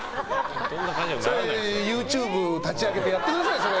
それＹｏｕＴｕｂｅ立ち上げてやってください。